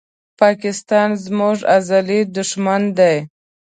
پاکستان زموږ ازلي دښمن دی